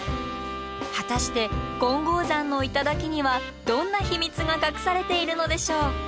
果たして金剛山の頂にはどんな秘密が隠されているのでしょう？